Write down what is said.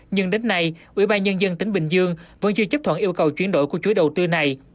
nhưng đến nay ủy ban nhân dân tỉnh bình dương vẫn chưa chấp thuận yêu cầu chuyển đổi của chuối đầu tư này